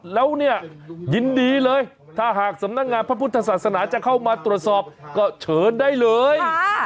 แล้วเนี่ยยินดีเลยถ้าหากสำนักงานพระพุทธศาสนาจะเข้ามาตรวจสอบก็เชิญได้เลย